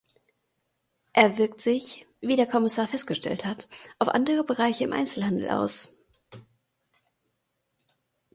Er wirkt sich, wie der Kommissar festgestellt hat, auf andere Bereich im Einzelhandel aus.